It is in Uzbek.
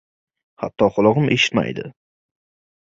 Hatto qulog‘im eshitmaydi...